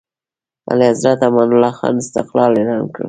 اعلیحضرت امان الله خان استقلال اعلان کړ.